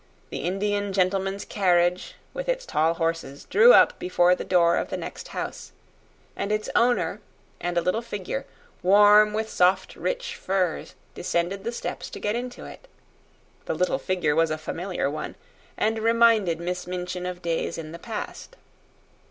The Indian gentleman's carriage, with its tall horses, drew up before the door of the next house, and its owner and a little figure, warm with soft, rich furs, descended the steps to get into it. The little figure was a familiar one, and reminded Miss Minchin of days in the past.